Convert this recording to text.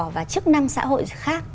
và chức năng xã hội khác